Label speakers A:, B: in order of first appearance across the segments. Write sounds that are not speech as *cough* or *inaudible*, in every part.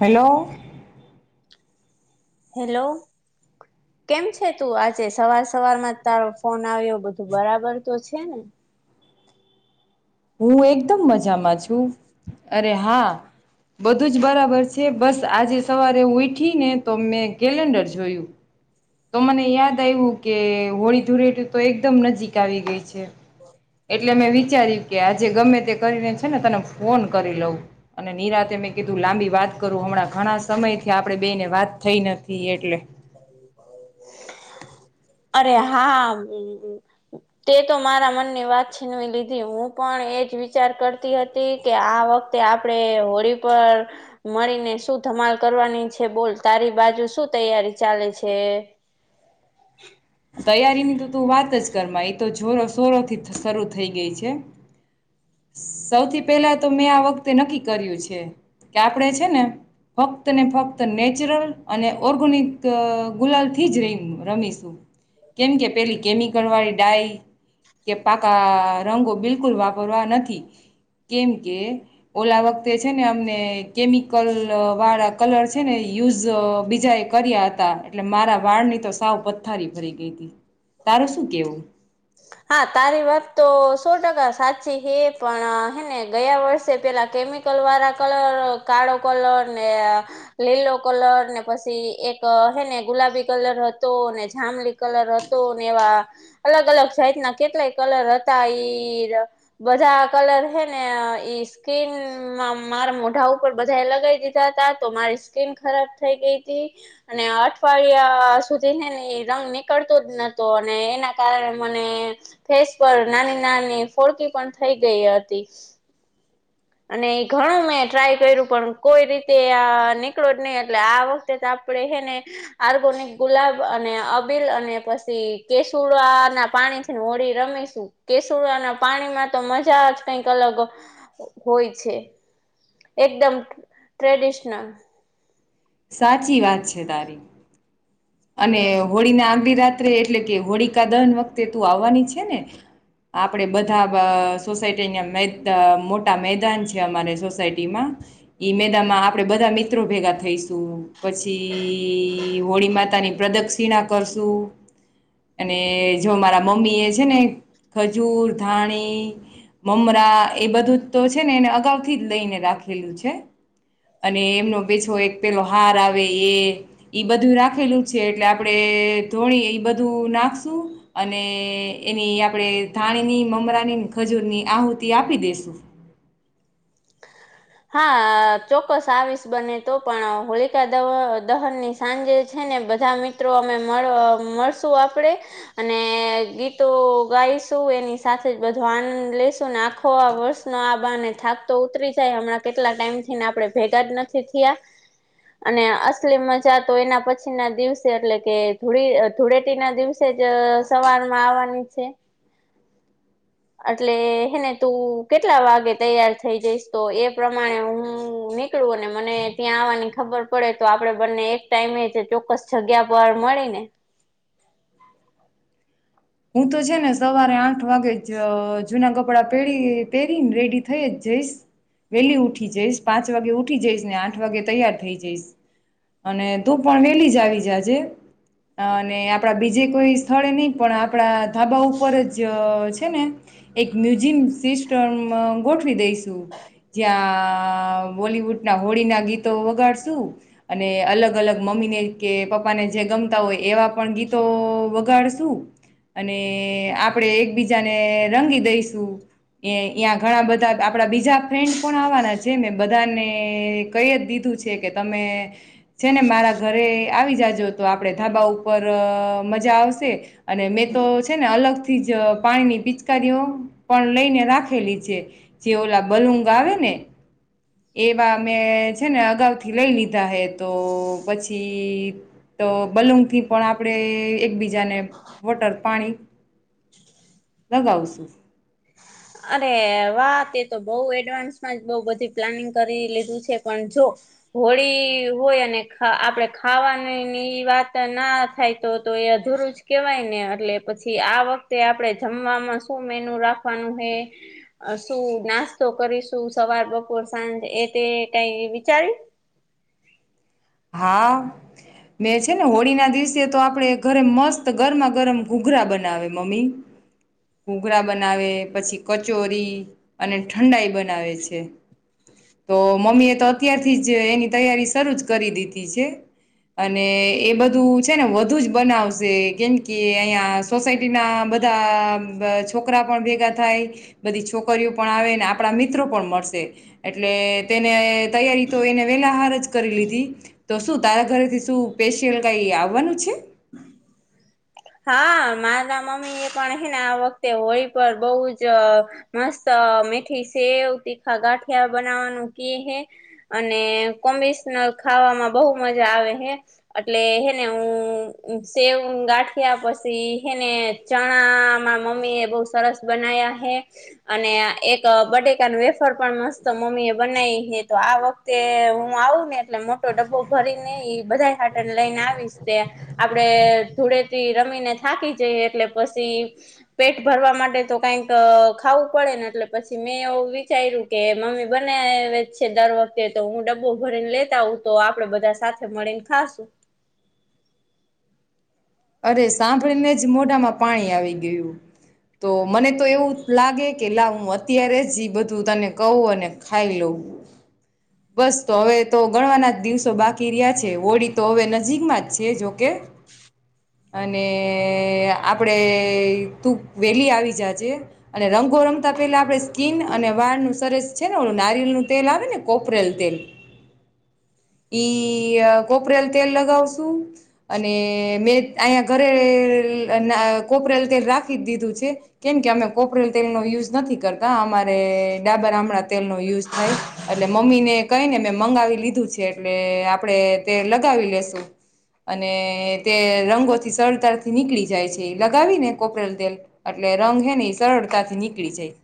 A: Hello
B: hello કેમ છે, તું આજે સવાર સવારમા તારો ફોન આવ્યો બધું બરાબર, તો છેને?
A: હું એકદમ મજામાં છું, અરે હા બધું જ બરાબર છે, બસ આજે સવારે ઉઠી ને તો મેં કેલેન્ડર જોયું તો મને યાદ આવ્યું કે હોળી, ધૂરેટ તો એકદમ નજીક આવી, ગઈ છે. એટલે મેં વિચાર્યું કે આજે ગમે, તે કરીને છેને. તને ફોન કરી લઉં અને નિરાતે મેં કીધું લાંબી વાત કરું, હમણાં ઘણા સમયથી આપણેે બે ને વાત થઈ, નથી એટલે
B: અરે હા, તે તો મારા મનની વાત છી નવી લીધી, હું પણ એજ વિચાર કરતી હતી, કે આ વખતે આપણેે હોળી, પર મળીને શું લ કરવાની છે, બોલ તારી બાજુ શું તૈયારી ચાલે છે.
A: તૈયારીની, તો તું વાત જ ક મા એ, તો જો સોરોથી શરૂ થઈ, ગઈ છે. સૌથી પહેલા, તો મેં આ વખતે નક્કી કર્યું છે, કે આપણેે છેને ફક્ત, ને ફક્ત નેચરલ અને ઓર્ગેનિક ગુલાલ થી, જ રમ્ય ર રમીશું કેમ કે પેલી કેમિકલ, વાળી ડાય કે પાકા, રંગો બિલકુલ વાપરવા નથી. કેમ કે ઓલા વખતે છેને. અમને કેમિકલ વાળા કલર છેને યુઝ બીજા એ કર્યા હતા, એટલે મારા વાળ ની તો સાવ પથ્થારી ભરી ગ તારો શું કેવું?
B: હા, તારી વાત તો સો ટકા સાચી હે પણ હેને, ગયા, વર્ષે પેલા કેમિકલ વાળા કલર કાળો કલરને લીલો કલર, ને પછી એક હે, ને ગુલાબી કલર હતો, ને જામલી કલર હતો, ને એવા અલગ અલગ જાઈતના કેટલાય કલર હતા ઈ, બધા કલર હેને, ઈ સ્કીન મારા મોઢા ઉપર બધાએ લગાવ દીધા હતા, તો મારી સ્કીિન ખરાબ થઈ ગઈ, હતી અને અઠવાડિયા સુધી છેને, એ રંગ નીકળતો જ, નતો અને એના કારણે મને ફેસ પર નાની નાની ફોડકી પણ થઈ ગઈ હતી. અને એ ઘણું મેં ટ્રાય કર્યું પણ કોઈ રીતે આ નીકળો જ નહી એટલે આ વખતે આપ આપણેે હેને ઓર્ગેનિક ગુલાબ અને અબીલ અને પછી કેસર ના પા પાણીને ઓળી રમીશું કેસુર ના પાણીમાં તો મજા જ કઈક અલગ હોય છે એકદમ ટ્રેડિશનલ
A: સાચી વાત છે તારી અને હોળીને લગાડી રાત્રે એટલે કે હોળી કા દન વખતે તું કરવાની છે ને આપડે બધા બ સોસાયટી ના મેદ મોટા મેદાન છે અમારે સોસાયટીમાં ઈ મેદાનમાં આપડે બધા મિત્રો ભેગા થઈશું પછી હોળીમાં પોતાની પ્રદક્ષિણા કરશું. અને જો મારા મમ્મી એ છે ને ખજૂર ધાણી મમરા એ બધું તો છે ને એને અગાઉથી જ લઈને રાખેલું છે. અને એમનો બેછો એક પેલો હાર આવે એ ઈ બધું રાખેલું છે એટલે આપણે ધોણી એ બધું નાખશું અને એની આપણે ધા પાણીની મમરાની ખજૂરની આહુતિ આપી દેસુ *inaudible*
B: હા ચોક્કસ આવીશ બને તો પણ હોળકાા દ દહનની સાંજે છે ને ને બધા મિત્રો અમે મળશું આપડે અને ગીતો ગાઈશું શું એની સાથે જ બધો આનંદ લેશું ને આખો વર્ષનો આ બાને થા તો ઉતરી જાય હમણાં કેટલા ટાઈમ થી ને આપે ભેગા જ નથી થયા અને અસલીમ મજા તો એના પછી ના દિવસે એટલે કે ધૂળેટી ના દિવસે જ સવારમાં આવવાની છે. એટલે હેને તું કેટલા વાગે તૈયાર થઇ જઈશ તો એ પ્રમાણે હું નીકળું અને મને ત્યાં આવવાની ખબર પડે તો આપડે બંને એક ટાઈમે જ ચોક્કસ જગ્યા પર મળ મળીને
A: *inaudible* હું તો છે ને સવારે આઠ વાગે જ જૂના કપડાં પહેરી પહેરીને રેડી થઈ જ જઈ વેલી ઉઠી જઈશ પાંચ વાગે ઉઠી જઈશ ને આઠ વાગે તૈયાર થઈ જઈશ અને તું પણ વેલી જ આવી જ આજે અને આપડા બીજે કોઈ સ્થળે નહી પણ આપડા ધાબા ઉપર જ છે ને એક મ્યુઝિયમ સિસ્ટમ ગોઠવી દઈ બોલીવુડ ના હોળી ના ગીતો વગાડશું અને અલગ અલગ મમ્મી ને કે પપ્પા ને જે ગમતા હોય એવા પણ ગીતો વગાડશું અને આપણેે એકબીજાને રંગી દઈશું એ અ્યાં ઘણા બધા આપડા બીજા ફ્રેન્ડ પણ આવવાના છે મેં બધાને કઈ જ દીધું કે તમે છે ને મારા ઘરે આવી જજ તો આપે ધાબા ઉપર મજા આવશે અને તો છે ને અલગથી જ પાણી ની પિચકારીઓ પણ લઈને રાખેલી છે જેઓ બલુંગ આવે ને એવા મેમે છે ને અગાઉથી લઈ લીધા હે તો પછી તો બલૂમથી પણ આપણે એકબીજાને વોટર પાણી લગાવશું
B: અરે વાત એ તો બઉ એડવાન્સમાં બઉ બધી પ્લાનિંગ કરી લીધું છે પણ જો હોળી હોય અને આપડે ખાવાનીની વાત ના થાય તો અધુરું જ કેવાય ને એટલે પછી આ વખતે આપડણે જમવામાં શું મેનુ રાખવાનું હ શું નાસ્તો કરીશું સવાર બપોર સાંજ એ તે કઈ વિચારી
A: હા મેં છે ને હોળી ના દિવસે તો આપડણે ઘરે મસ્ત ગરમા ગરમ ઘૂઘરા બનાવે મમ્મી ઘૂઘરા બનાવે પછી કચોરી અને ઠંડાઈ બનાવે છે તો મમ્મી એ તો અત્યારથી જ એની તૈયારી શરૂ જ કરી દીધી છે અને એ બધું છે ને વધુ જ બનાવશે કેમ કે અહિયાં સોસાયટી ના બધા છોકરા પણ ભેગા થાય બધી છોકરીઓ પણ આવે ને આપણા મિત્રો પણ મળશે એટલે તેને તૈયારી તો એને વેલા હાર જ કરી લીધી તો શું તારા ઘરેથી શું સ્પેશિયલ કઈ આવવાનું છે
B: હા માતા મમ્મી એ પણ હે ને આ વખતે હોળી પર બહુ જ મસ્ત મેઠી સેવ તીખા ગાંઠિયા બનાવવાનું ક હ અને કોસ ખાવામાં બહ મજા આવે હે એટલે હેને હું સેવ ગાંઠ યા પછી હને ચણામાં મમ્મી એ બહુ સરસ બના્યા હે અને એક બટેકા ન વેફાર પણ મસ્ત મમ્મી એ બનાવી તો આ વખતે હું આવું ને એટલે મોટો ડબ્બો ભરીને બધા ખાટને લઈને આવીશ તે આપડે ધૂળે રમીને થાકી જઈ એટલે પછી પેટ ભરવા માટે તો કઈક ખાવું પડે એટલે પછી મેં એવું વિચાર્યું કે મમ્મી બને છે દર વખતે તો હું ડબ્બો ભરીને લેતા હ તો આપડે બધા સાથે મળીને ખાશું
A: *inaudible* અરે સાંભળીને જ મોઢામાં પાણી આવી ગયું તો મને તો એવું લાગે કે લાવ હું અત્યારે જ જ બધું તને કહું અને ખાઈ લઉં હ બસ તો હવે તો ગણવાના જ દિવસો બાકી રહ્યા છે હોડી તો હવે નજીકમાં જ છેી જોકે અને આપડે તું વેલી આવી જાજે અને રંગોરંગ પેલા આપે સ્કીિન અને વાળ નું સરસ છે ને ઓું નારિયલ નું તેલ આવે ને કોપરેલ તેલ હ ઈ કોપરેલ તેલ લગાવશુ અને મે અહીંયા ઘરે કોપરેલ તેલ રાખી જ દીધું છે કેમ કે અમે કોપરેલ તેલ નો યુ કરતા ડાબર આમ તેલ નયુ થાય એટલે મમ્મીને કને મે ાવી લીધું છે એટલે આપણેે તે લગાવી લેશું અને તે રંગ થી સરળતાથીનીળી જાય છે લગાવી ને કોપરેલ તેલ એટલે રંગ હે ને એ સરળતા થી નીકળી વિજય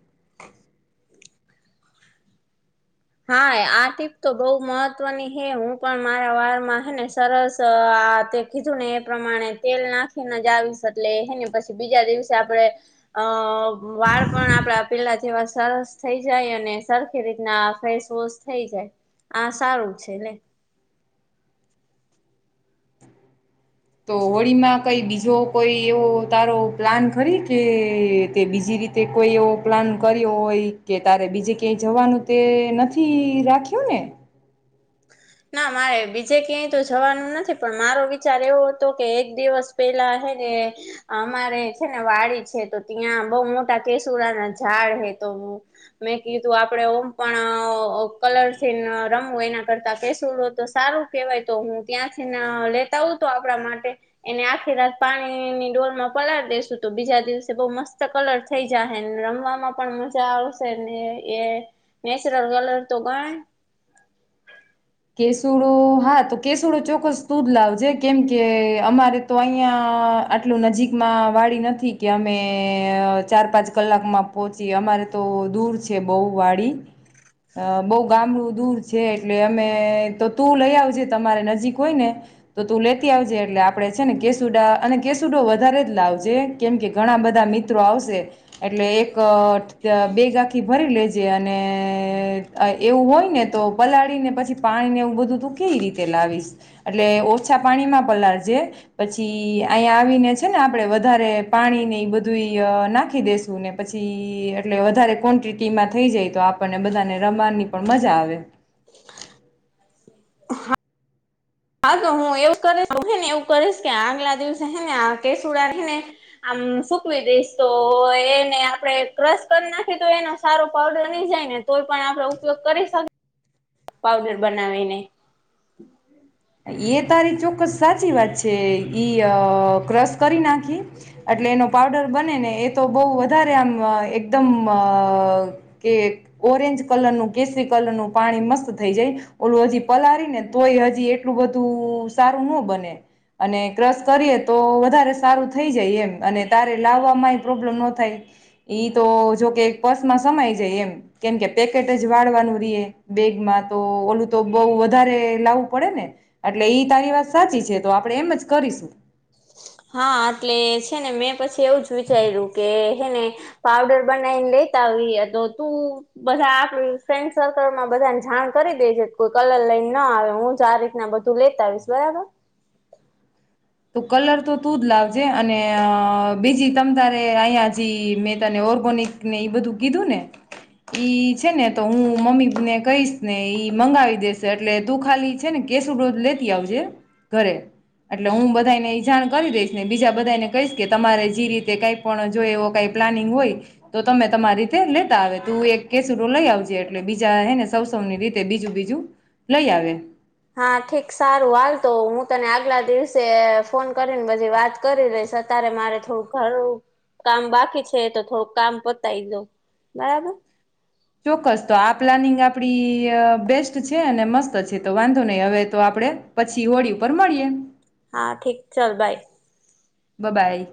B: હા આ ટીપ તો બઉ મહત્વની હૈ હું પણ મારા વારમાં હે ને સરસ આ તે કીધું ને એ પ્રમાણે તેલ નાખીને જ આવીશ એટલે હેને પછી બીજા દિવસે આપણે અ વાળ પણ આપડા પેલા જેવા સરસ થઈ જાય અને સરખી રીતના ફેશ વોશ થઈ જાય આ સારું છે ને
A: તો હોળીમાં કઈ બીજો કોઈ એવો તારો પ્લાન ખરી કે તે બીજી રીતે કોઈ એવો પ્લાન કર્યો હોય કે તારે બીજે ક્યાંય જવાનું તે નથી રાખ્યું ને
B: ના મારે બીજે ક્યાંય તો જવાનું નથી પણ મારો વિચાર એવો હતો કે એક દિવસ પેલા અમારે છે ને વાડી છે તો ત્યાં બહુ મોટા કેસુરા ના ઝાડ હે તો મેં કીધું આપડે ઓમ પણ અ કલરથી રમું એના કરતા કેશ સુડો તો સારું કેવાય તો હું ત્યાંથી લેતા આવુ તો આપડા માટે એને આખી રાત પા ણીની ડોલમાં પલાર દેશુ તો બીજા દિવસે બોવ મસ્ત કલર થઈ જાહે રમવામાં પણ મજા આવશે ને એ નેચરલ કલર તો ગાય
A: કેસુડો હા તો કેસુડો ચોક્કસ તુજ લાવજે કેમ કે અમારે તો અહિયાં આટલું નજીકમાં વાળી નથી કે અમે ચાર પાંચ કલાકમાં પહોંચી અમારે તો દૂર છે બોવ વાડી અ બોવ ગામડું દૂર છે એટલે અમે તો તું લઈ આવજે તમારે નજીક હોય ને તો તું લેતી આવજે એટલે આપડે છે ને કેસુ ડા અને કેસુડો વધારે જ લાવજે કેમ કે ઘણા બધા મિત્રો આવશે એટલે એક અ બેગ આખી ભરી લેજે અને એવું હોય ને તો પલાળી ને પ છી પાણી ને એવું બધું તું કેવી રીતે લાવીશ એટલે ઓછા પાણીમાં પલાળજે પછી અહીંયા આવીને છે ને આપડે વધારે પાણી ને ઈ બધું અ નાખી દેસુ ને પછી એટલે વધારે ક્વોન્ટિટી માં થઈ જાય તો આપણને બધાને રમાવાની પણ મજા આવે
B: હા તો હું એવું કરીશ હે ને એવું કરીશ કે આગ લાગી દિવસે હે ને આ કેસુડાને સુકવી દઈશ તો એને આપડે ક્રશ કરી નાખી તો એનો સારો પાવડર નહી જાય ને તોય પણ આપડે ઉપયોગ કરી શકીએ પાવડર બનાવીને
A: એ તારી ચોક્કસ સાચી વાત છે ઈ અ ક્રસ કરી નાખી એટલે એનો પાવડર બને ને એ તો બોવ વધારે આમ એકદમ કે ઓરેન્જ કલર નું કેસરી કલર નું પાણી મસ્ત થઈ જાય ઓલું હજી પલાળી ને તોય હજી એટલું બધું સારું ન બને અને ક્રસ કરીએ તો વધારે સારું થઈ જાય એમ અને તારે લાવવામાંય પ્રોબ્લેમ ન થાય ઈ તો જોકે પસૅમાં સમાય જાય એમ કેમ કે પેકેટ જ વાળવાનું રીએ એગમા તો ઓલું તો બોવ વધારે લાવવું પડે ને એટલે ઈ તારી વાત સાચી છે તો આપણે એમ જ કરીશું
B: હા એટલે છે ને મેં પછી એવું જ વિચાર્યું કે હેને પાવડર બનાવીને લેતા આવીએ તો તું બધા આપ ફ્રેન્ડ સર્કલમાં બધા જાણ કરી દે જે કોઈ કલર લઈને ના આવે હું જ આ રીતના બધું લેતા આવીશ બરાબર
A: *inaudible* તો કલર તો તું જ લાવજે અને બીજી તમ તારે અહીયા જી મે તને ઓરગોનીક ને ઈ બધું કીધું ને ઈ છે ને તો હું મમ્મીને કહીશ ને ઈ મંગાવી દેસે એટલે તું ખાલી છે ને કેસુંરો લેતી આવજે ઘરે એટ લે હું બધાને ઈ જાણ કરી દઈશ ને બીજા બધા ને કહીશ કે તમારે જે રીતે કઈ પણ જોઈ એવો કઈ પ્લાનિંગ હોય તો તમે તમારી રીતે લેતા આવે તું એક કેસુડો લઈ આવજે એટલે બીજા હેને સૌવ સૌવની રીતે બીજું બીજું લઈ આવે
B: હા ઠીક સારું હાલ તો હું તને આગલા દિવસે ફોન કરીને બધી વાત કરી લઈશ તારે મારે થોડું ઘરું કામ બાકી છે તો થોડુંક કામ પતાય દો બરાબર
A: ચોક્કસ તો આ પ્લાનિંગ આપડી અ બેસ્ટ છે અને મસ્ત છે તો વાંધો નય હવે તો આ પડે પછી હોળી પર મળીએ
B: હા ઠીક ચાલ બાય
A: બબાઈ